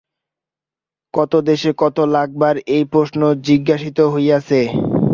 কত দেশে কত লক্ষ বার এই প্রশ্ন জিজ্ঞাসিত হইয়াছে।